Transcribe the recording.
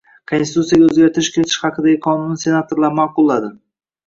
Konstitutsiyaga oʻzgartish kiritish haqidagi qonunni senatorlar maʼqulladi.